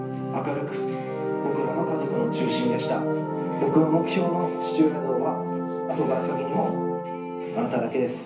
僕の目標の父親像は後から先にもあなただけです。